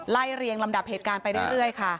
เรียงลำดับเหตุการณ์ไปเรื่อยค่ะ